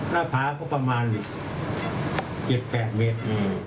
น่าภาพประมาณ๗๘เมตร